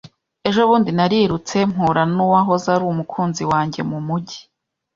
Ejo bundi narirutse mpura nuwahoze ari umukunzi wanjye mumujyi.